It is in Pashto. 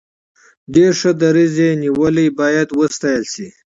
ډیر ښه دریځ نیولی باید وستایل شي.